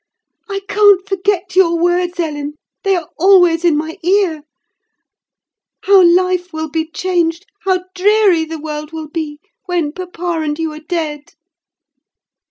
I can't forget your words, Ellen; they are always in my ear. How life will be changed, how dreary the world will be, when papa and you are dead."